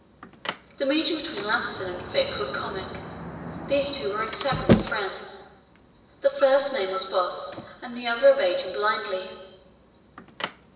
The meeting between Lassesen and Fix was comic. These two were inseparable friends; the first named was boss, and the other obeyed him blindly.